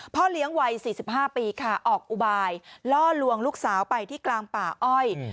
เลี้ยงวัย๔๕ปีค่ะออกอุบายล่อลวงลูกสาวไปที่กลางป่าอ้อย